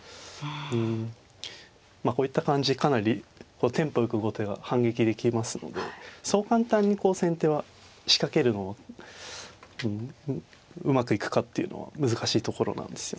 こういった感じでかなりテンポよく後手が反撃できますのでそう簡単に先手は仕掛けるのはうまくいくかっていうのは難しいところなんですよね。